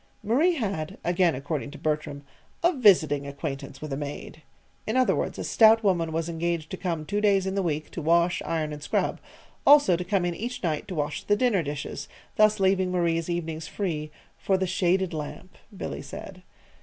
Marie had again according to Bertram "a visiting acquaintance with a maid." In other words, a stout woman was engaged to come two days in the week to wash, iron, and scrub; also to come in each night to wash the dinner dishes, thus leaving Marie's evenings free "for the shaded lamp," Billy said.